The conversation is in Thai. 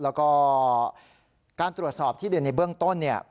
แล้วก็การตรวจสอบที่ดินในเบื้องต้นเนี่ย